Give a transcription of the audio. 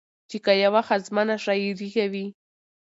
چې که يوه ښځمنه شاعري کوي